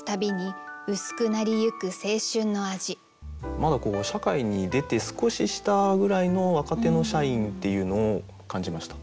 まだ社会に出て少ししたぐらいの若手の社員っていうのを感じました。